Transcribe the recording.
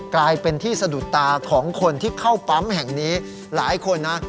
กลายเป็นที่สะดุดตาของคนที่เข้าปั๊มแห่งนี้หลายคนนะ